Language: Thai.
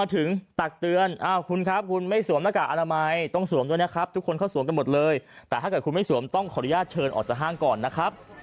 ทุกคนเขาสวมกันหมดเลยแต่ถ้าเกิดคุณไม่สวมต้องขออนุญาตเชิญออกจากห้างก่อนนะครับ